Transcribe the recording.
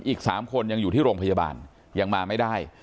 อีก๓คนยังอยู่ที่โรงพยาบาลยังมาไม่ได้